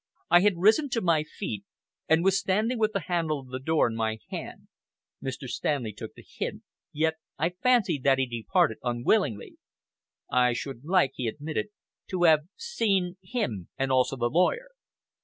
I had risen to my feet, and was standing with the handle of the door in my hand. Mr. Stanley took the hint, yet I fancied that he departed unwillingly. "I should like," he admitted, "to have seen him, and also the lawyer."